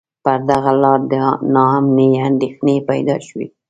پر دغه لار د نا امنۍ اندېښنې پیدا شوې.